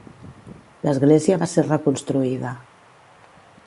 L'església va ser reconstruïda.